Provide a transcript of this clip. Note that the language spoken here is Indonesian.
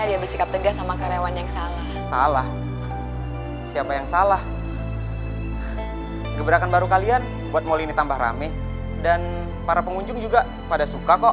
lo kan bilang sama gue kalau lo tuh selalu ada